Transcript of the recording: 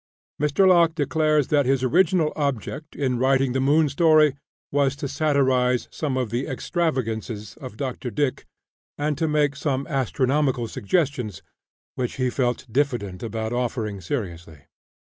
Mr. Locke declares that his original object in writing the Moon story was to satirize some of the extravagances of Doctor Dick, and to make some astronomical suggestions which he felt diffident about offering seriously.